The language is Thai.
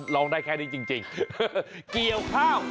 ร้องได้แค่นี้จริงเกี่ยวข้าว